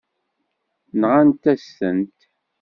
Nɣant-as-tent.